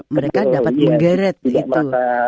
mereka dapat menggeret itu